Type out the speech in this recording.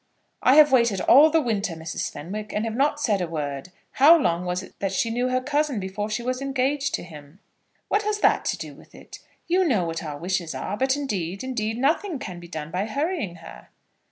"I have waited all the winter, Mrs. Fenwick, and have said not a word. How long was it that she knew her cousin before she was engaged to him?" "What has that to do with it? You know what our wishes are; but, indeed, indeed, nothing can be done by hurrying her."